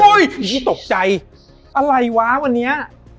โอ้โหใจอะไรวะวันเนี้ย